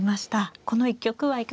この一局はいかがでしたか。